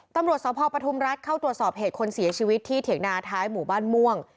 ตำรวจสพปทุมรัฐเข้าตรวจสอบเหตุคนเสียชีวิตที่เถียงนาท้ายหมู่บ้านม่วง